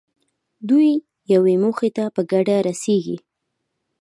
دوی یوې موخې ته په ګډه رسېږي.